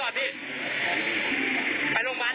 แล้วท้ายที่สุดก็ชักเกรงหมดสติอยู่